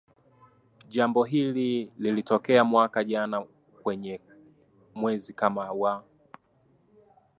jambo hili lilitokea mwaka jana mwezi kama wa